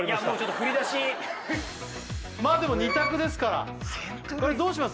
振り出しでも２択ですからどうします？